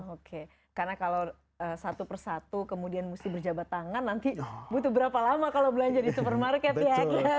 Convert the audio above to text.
oke karena kalau satu persatu kemudian mesti berjabat tangan nanti butuh berapa lama kalau belanja di supermarket ya